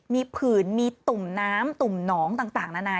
มีผื่นมีตุ่มน้ำตุ่มหนองต่างนานา